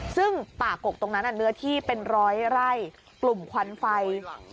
ซึ่งป่ากกตรงนั้นเนื้อที่เป็นร้อยไร่กลุ่มควันไฟ